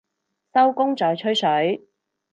收工再吹水